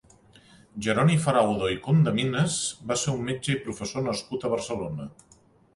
Jeroni Faraudo i Condeminas va ser un metge i professor nascut a Barcelona.